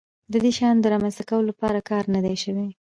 د دې شیانو د رامنځته کولو لپاره کار نه دی شوی.